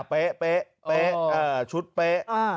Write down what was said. เป๊ะชุดเป๊ะ